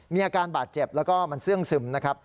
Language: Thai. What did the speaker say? มีอาการบาดเจ็บแล้วก็มันเสื่องซึมนะครับ